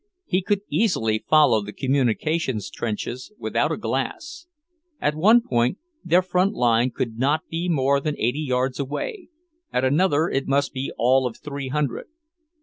He could easily follow the communication trenches without a glass. At one point their front line could not be more than eighty yards away, at another it must be all of three hundred.